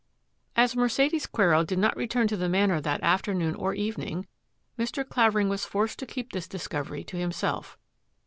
As Mercedes Quero did not return to the Manor that afternoon or evening, Mr. Clavering was forced to keep this discovery to himself.